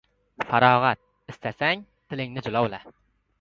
Farog‘at istasang, tilingni jilovla.